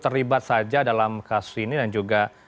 terlibat saja dalam kasus ini dan juga